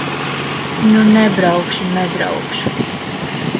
Nu, nebraukšu, nebraukšu.